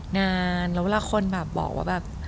นานแล้วเวลาคนแบบบอกว่าแบบ